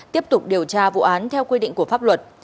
tiếp tục điều tra vụ án theo quy định của pháp luật